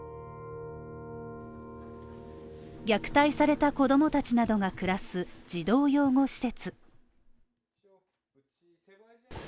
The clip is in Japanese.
虐待された子供たちなどが暮らす児童養護施設。